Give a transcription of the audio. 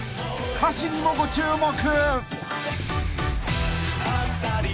［歌詞にもご注目］